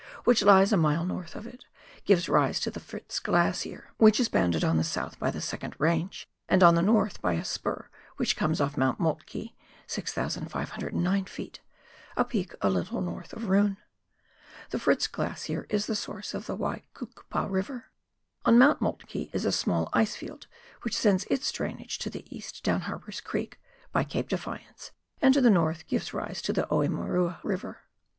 which lies a mile north of it, give rise to the Fritz Glacier, which is bounded on the south by the second range, and on the north by a spur which comes off Mount Moltke (6,509 ft.), a peak a little north of Roon. The Fritz Glacier is the source of the Waikukupa River. On Mount Moltke is a small icefield, which sends its drainage to the east down Harper's Creek, by Cape Defiance, and to the north gives rise to the Oemerua River.